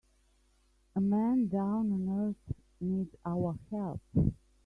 A man down on earth needs our help.